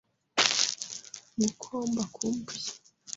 Ngo uko mbakumbuye